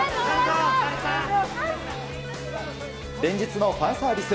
連日のファンサービス